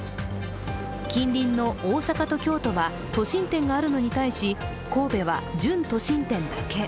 近隣の大阪と京都は都心店があるのに対し神戸は準都心店だけ。